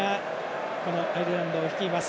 このアイルランドを率います。